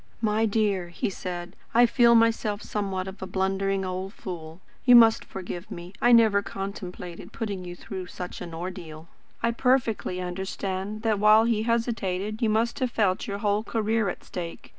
"My dear," he said, "I feel myself somewhat of a blundering old fool. You must forgive me. I never contemplated putting you through such an ordeal. I perfectly understand that, while he hesitated, you must have felt your whole career at stake.